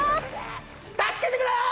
助けてくれー！